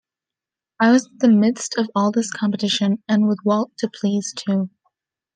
I was the midst of all this competition, and with Walt to please, too.